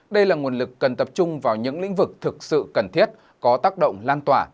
đây là nguồn lực cần tập trung vào những lĩnh vực thực sự cần thiết có tác động lan tỏa